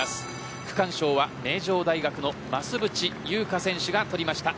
区間賞は名城大学の増渕祐香選手が取りました。